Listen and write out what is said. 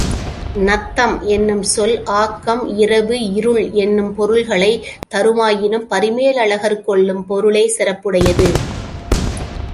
நத்தம் எனும் சொல் ஆக்கம், இரவு, இருள் எனும் பொருள்களைத் தருமாயினும் பரிமேலழகர் கொள்ளும் பொருளே சிறப்புடையது.